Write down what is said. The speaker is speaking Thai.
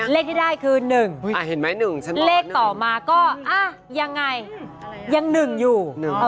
เลขที่ได้คือ๑เห็นไหม๑ใช่ไหมเลขต่อมาก็ยังไงยัง๑อยู่